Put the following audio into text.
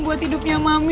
buat hidupnya mami